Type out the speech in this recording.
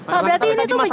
pak berarti ini tuh menjadi